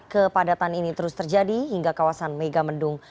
kepadatan ini terus terjadi hingga kawasan megamendung